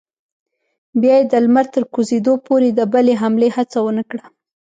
بیا یې د لمر تر کوزېدو پورې د بلې حملې هڅه ونه کړه.